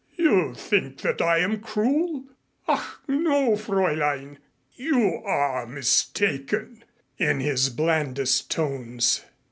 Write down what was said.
"You think that I am cruel? Ach, no, Fräulein. You are mistaken," in his blandest tones.